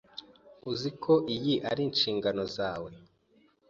Uzi ko iyi ari inshingano zawe.